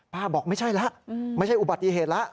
บอกไม่ใช่แล้วไม่ใช่อุบัติเหตุแล้ว